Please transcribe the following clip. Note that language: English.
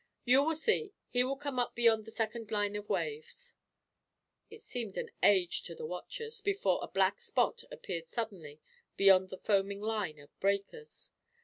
You will see, he will come up beyond the second line of waves." It seemed an age, to the watchers, before a black spot appeared suddenly, beyond the foaming line of breakers.